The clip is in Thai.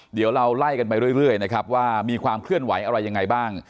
เดี๋ยวเราไล่กันไปเรื่อยนะครับว่ามีความเคลื่อนไหวอะไรยังไงบ้าง